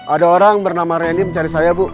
ada orang bernama reni mencari saya bu